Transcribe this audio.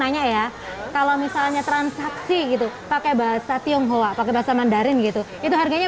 nanya ya kalau misalnya transaksi gitu pakai bahasa tionghoa pakai bahasa mandarin gitu itu harganya